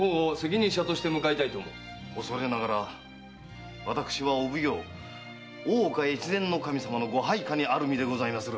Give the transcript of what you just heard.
おそれながら私は大岡越前守様のご配下にある身でございます。